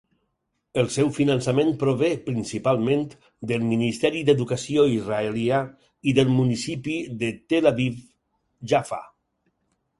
El seu finançament prové principalment del Ministeri d'Educació israelià i del municipi de Tel Aviv-Jaffa.